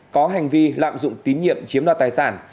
có hành vi lạm dụng tín nhiệm chiếm đoạt tài sản